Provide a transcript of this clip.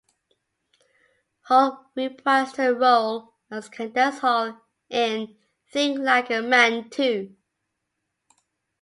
Hall reprised her role as Candace Hall in "Think Like a Man Too".